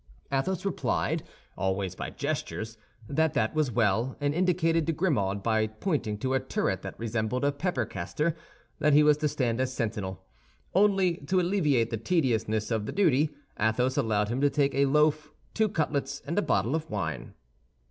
Athos replied, always by gestures, that that was well, and indicated to Grimaud, by pointing to a turret that resembled a pepper caster, that he was to stand as sentinel. Only, to alleviate the tediousness of the duty, Athos allowed him to take a loaf, two cutlets, and a bottle of wine.